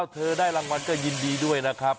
เธอได้รางวัลก็ยินดีด้วยนะครับ